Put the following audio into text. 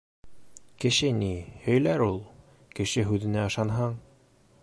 Кеше ни... һөйләр ул. Кеше һүҙенә ышанһаң...